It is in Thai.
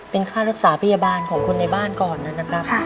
เป็นค่ารักษาพยาบาลของคนในบ้านก่อนนะครับ